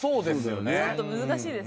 ちょっと難しいですね